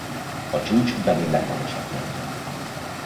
A csúcs Benin legmagasabb pontja.